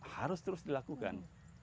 harus terus dilakukan